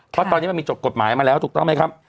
เพราะตอนนี้มันมีจบกฎหมายมาแล้วถูกต้องไหมครับ